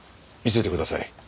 見せてください。